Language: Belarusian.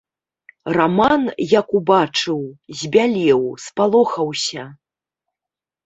Раман, як убачыў, збялеў, спалохаўся.